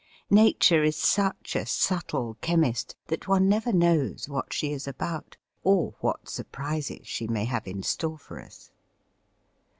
Nature is such a subtle chemist that one never knows what she is about, or what surprises she may have in store for us.